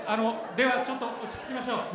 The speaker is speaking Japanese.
ではちょっと落ち着きましょう。